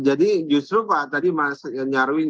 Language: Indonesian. jadi justru pak tadi mas nyarwin